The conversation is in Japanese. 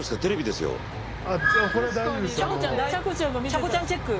ちゃこちゃんチェック。